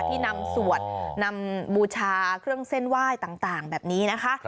ที่นำสวดนำบูชาเครื่องเส้นไหว้ต่างแบบนี้นะคะ